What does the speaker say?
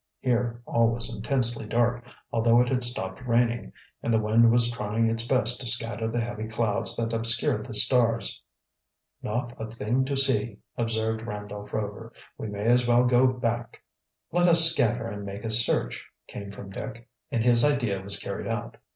Here all was intensely dark, although it had stopped raining, and the wind was trying its best to scatter the heavy clouds that obscured the stars. "Not a thing to see," observed Randolph Rover. "We may as well go back." "Let us scatter and make a search," came from Dick, and his idea was carried out.